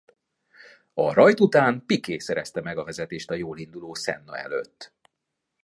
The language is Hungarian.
A rajt után Piquet szerezte meg a vezetést a jól induló Senna előtt.